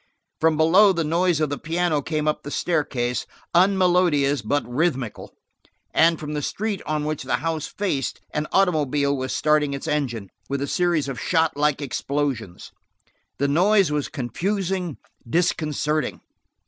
From below the noise of the piano came up the staircase, unmelodious but rhythmical, and from the street on which the house faced an automobile was starting its engine, with a series of shot like explosions. The noise was confusing, disconcerting.